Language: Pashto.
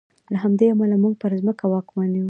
له همدې امله موږ پر ځمکه واکمن یو.